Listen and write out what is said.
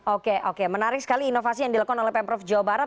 oke oke menarik sekali inovasi yang dilakukan oleh pemprov jawa barat